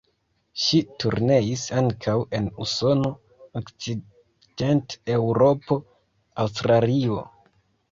Ŝi turneis ankaŭ en Usono, Okcident-Eŭropo, Aŭstralio.